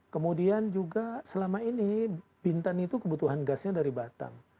kemudian juga selama ini bintan itu kebutuhan gasnya dari batam